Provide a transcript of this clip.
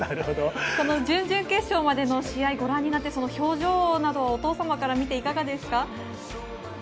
準々決勝までの試合をご覧になって表情など、お父様から見ていかがですか？